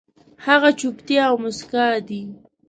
هغه چوپتيا او موسکا دي